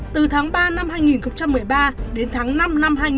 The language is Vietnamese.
từ tháng ba năm hai nghìn một mươi ba đến tháng năm năm hai nghìn hai mươi hai